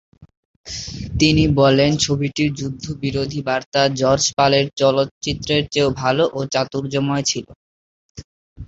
তিনি বলেন ছবিটির যুদ্ধবিরোধী বার্তা জর্জ পালের চলচ্চিত্রের চেয়েও ভালো ও চাতুর্যময় ছিল।